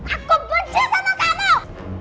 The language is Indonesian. aku benci sama kamu